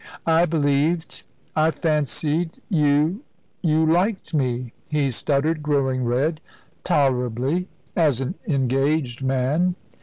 "I believed I fancied you you liked me," he stuttered, growing red. "Tolerably as an engaged man."